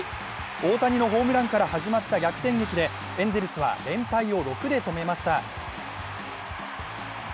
大谷のホームランから始まった逆転劇でエンゼルスは連敗を６で止めました。